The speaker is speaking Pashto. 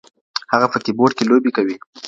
هغه په کمپيوټر کي لوبې کوي.